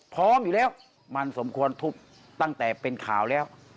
พร้อมอยู่แล้วมันสมควรทุบตั้งแต่เป็นข่าวแล้ว